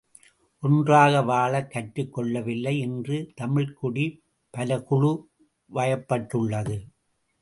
ஒன்றாக வாழக் கற்றுக் கொள்ளவில்லை, இன்று தமிழ்க்குடி பல குழு வயப்பட்டுள்ளது.